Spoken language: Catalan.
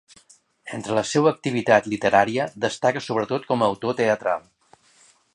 Entre la seua activitat literària, destaca sobretot com a autor teatral.